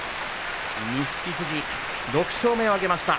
錦富士、６勝目を挙げました。